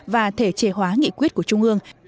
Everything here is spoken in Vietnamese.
và thể chế hóa nghị quyết của trung ương